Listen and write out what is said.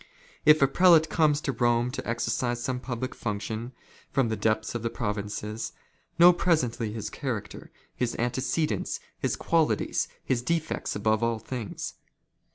" If a prelate comes to Kome to exercise some public function from "the depths of the provinces, know presently his character, his " antecedents, his qualities, his defects above all things.